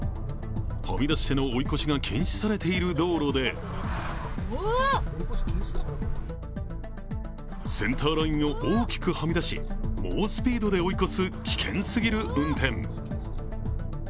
はみ出しての追い越しが禁止されている道路でセンターラインを大きくはみ出し猛スピードで追い越す危険すぎる運転。